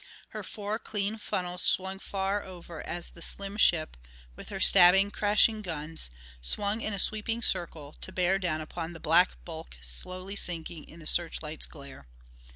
Her four clean funnels swung far over as the slim ship, with her stabbing, crashing guns, swung in a sweeping circle to bear down upon the black bulk slowly sinking in the search light's glare.